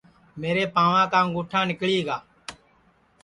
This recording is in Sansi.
میرے پانٚوا کا انٚگُٹھا نیکݪی گا